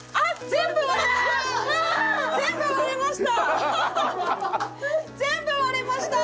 全部割れました！